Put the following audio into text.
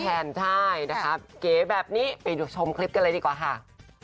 แทนใช่นะคะเก๋แบบนี้ไปดูชมคลิปกันเลยดีกว่าค่ะ